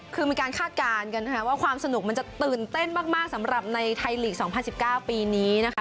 คือมีการคาดการณ์กันนะคะว่าความสนุกมันจะตื่นเต้นมากสำหรับในไทยลีก๒๐๑๙ปีนี้นะคะ